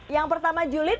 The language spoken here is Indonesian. yang pertama julid